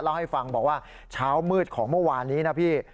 เล่าให้ฟังบอกว่าเช้ามืดของเมื่อวานนี้นะพี่